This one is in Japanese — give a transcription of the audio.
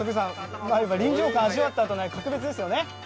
臨場感を味わったあとは格別ですね。